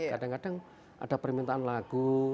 kadang kadang ada permintaan lagu